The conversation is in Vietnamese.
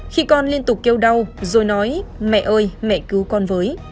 khi con liên tục kêu đau rồi nói mẹ ơi mẹ cứu con với